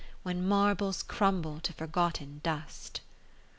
When marbles crumble to forgot ten dust.